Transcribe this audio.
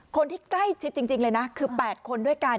คนที่ใกล้ชิดจริงเลยนะคือ๘คนด้วยกัน